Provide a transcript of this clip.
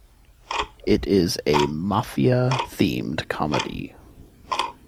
It is a mafia-themed comedy.